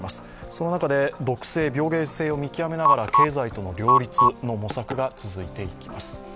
その中で毒性、病原性を見極めながら経済との両立の模索が続いていきます。